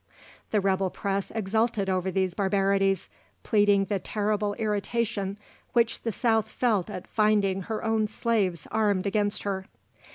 The rebel press exulted over these barbarities, pleading the terrible irritation which the South felt at finding her own slaves armed against her.